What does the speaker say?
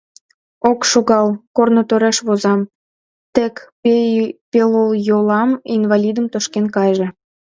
Ок шогал — корно тореш возам, тек пелйолан инвалидым тошкен кайже.